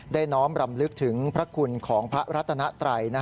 น้อมรำลึกถึงพระคุณของพระรัตนไตร